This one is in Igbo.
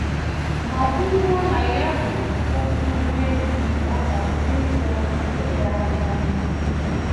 ma kwunwòó na ya bụ ọdụ ụgbọelu ga-amalite ịrụ ọrụ oge adịghị anya.